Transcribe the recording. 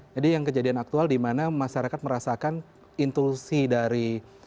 jadi yang kejadian aktual dimana masyarakat merasakan intusi dari